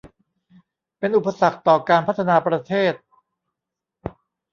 เป็นอุปสรรคต่อการพัฒนาประเทศ